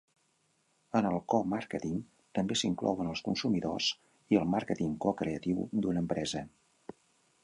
En el co-màrqueting també s'inclouen els consumidors i el màrqueting co-creatiu d'una empresa.